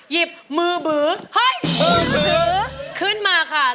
ขอบคุณค่ะ